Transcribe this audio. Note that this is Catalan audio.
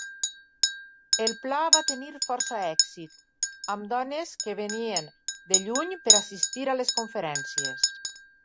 El pla va tenir força èxit, amb dones que venien de lluny per assistir a les conferències.